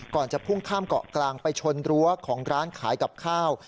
จะพุ่งข้ามเกาะกลางไปชนรั้วของร้านขายกับข้าว